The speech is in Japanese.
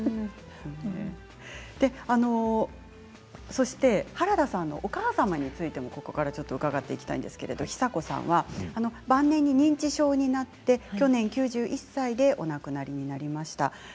そして原田さんのお母様についても、ここから伺っていきたいんですけれどもヒサ子さんは晩年に認知症になって去年９１歳でお亡くなりになりました。